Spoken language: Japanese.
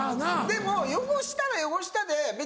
でも汚したら汚したで別に。